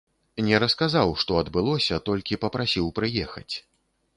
Не расказаў, што адбылося, толькі папрасіў прыехаць.